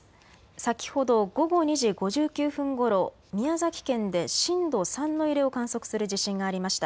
先ほど午後２時５９分ごろ、宮崎県で震度３の揺れを観測する地震がありました。